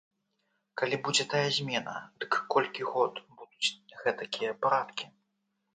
Калі будзе тая змена, дык колькі год будуць гэтакія парадкі?